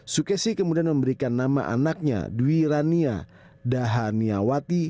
sukesi kemudian memberikan nama anaknya dwi rania dahaniawati